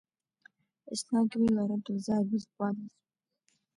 Еснагь уи лара дылзааигәазтәуадаз.